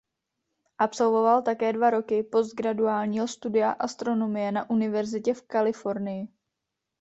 Absolvoval také dva roky postgraduálního studia astronomie na Univerzitě v Kalifornii.